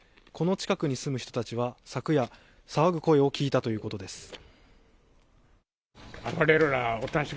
この近くに住む人たちは昨夜騒ぐ声を聞いたということです